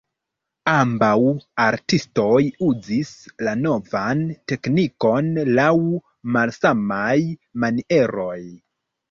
Ambaŭ artistoj uzis la novan teknikon laŭ malsamaj manieroj.